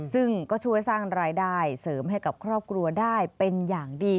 ซึ่งก็ช่วยสร้างรายได้เสริมให้กับครอบครัวได้เป็นอย่างดี